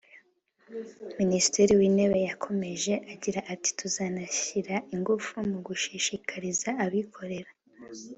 Minisitiri w’Intebe yakomeje agira ati ‘‘Tuzanashyira ingufu mu gushishikariza abikorera